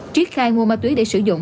triết khai mua ma túy để sử dụng